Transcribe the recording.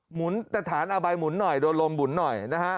หมุนตัดฐานอับไว้หมุนหน่อยโดนลมบุ๋นหน่อย